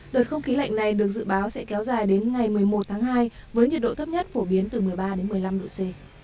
đợt không khí lạnh này được dự báo sẽ kéo dài đến ngày một mươi một tháng hai với nhiệt độ thấp nhất phổ biến từ một mươi ba đến một mươi năm độ c